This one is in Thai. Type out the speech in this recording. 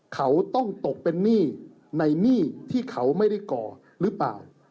เขาต้องตกเป็นหนี้ในหนี้ที่เขาไม่ได้ก่อหรือเปล่า